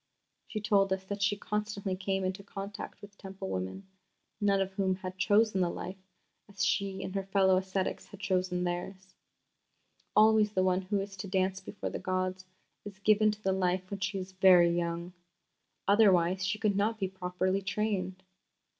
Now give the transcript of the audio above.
She told us that she constantly came into contact with Temple women, none of whom had chosen the life as she and her fellow ascetics had chosen theirs. "Always the one who is to dance before the gods is given to the life when she is very young. Otherwise she could not be properly trained.